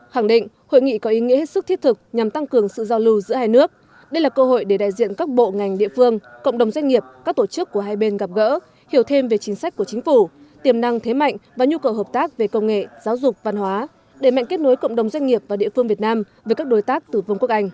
khẳng định hội nghị có ý nghĩa hết sức thiết thực nhằm tăng cường sự giao lưu giữa hai nước đây là cơ hội để đại diện các bộ ngành địa phương cộng đồng doanh nghiệp các tổ chức của hai bên gặp gỡ hiểu thêm về chính sách của chính phủ tiềm năng thế mạnh và nhu cầu hợp tác về công nghệ giáo dục văn hóa để mạnh kết nối cộng đồng doanh nghiệp và địa phương việt nam với các đối tác từ vương quốc anh